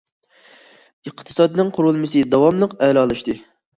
ئىقتىسادنىڭ قۇرۇلمىسى داۋاملىق ئەلالاشتى.